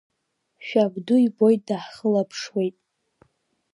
Шәабду ибоит, дахылаԥшуеит.